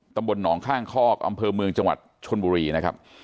ตำบลหนองข้างคอกอำเภอเมืองจังหวัดชนบุรีนะครับ